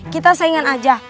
kita saingan aja